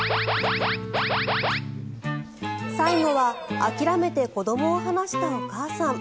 最後は諦めて子どもを離したお母さん。